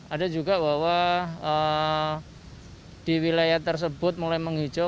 ada juga bahwa di wilayah tersebut mulai menghijau